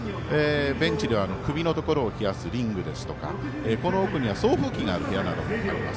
ベンチでは首のところを冷やすリングですとか送風機がある部屋もあります。